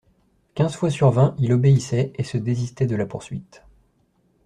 Quinze fois sur vingt il obéissait et se désistait de la poursuite.